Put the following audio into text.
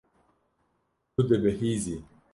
Tu dibihîzî.